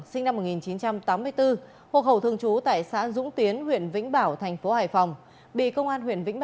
xin chào và hẹn gặp lại